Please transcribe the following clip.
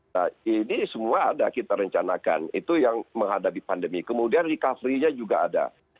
nah ini semua anda kita rencanakan itu yang menghadapi pandemi kemudian recoverynya juga ada